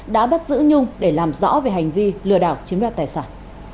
đã bắt giữ nhung để làm rõ về hành vi lừa đảo chiếm đoạt tài sản